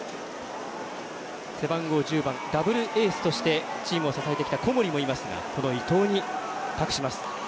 背番号１０番ダブルエースとしてチームを支えてきた小森もいますがこの伊藤に託します。